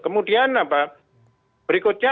kemudian apa berikutnya